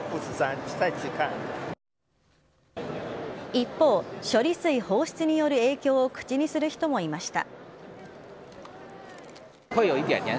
一方、処理水放出による影響を口にする人もいました。